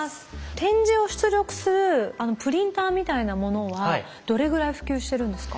点字を出力するあのプリンターみたいなものはどれぐらい普及してるんですか？